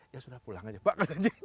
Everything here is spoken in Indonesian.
ya sudah pulang aja pak